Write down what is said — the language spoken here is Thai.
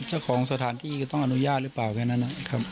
เจ้าของสถานที่ก็ต้องอนุญาตหรือเปล่าแค่นั้นนะครับ